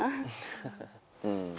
ハハハうん。